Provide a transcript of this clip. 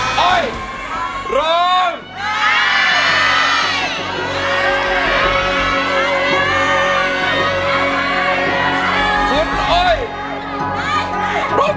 ฝุ่นอ้อยรบใจครับ